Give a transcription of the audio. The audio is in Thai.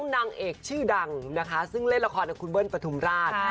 นางเอกชื่อดังนะคะซึ่งเล่นละครกับคุณเบิ้ลปฐุมราช